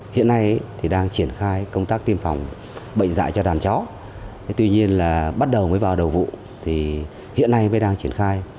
hiện nay đang triển khai công tác tiêm phòng bệnh dạy cho đàn chó tuy nhiên bắt đầu mới vào đầu vụ hiện nay mới đang triển khai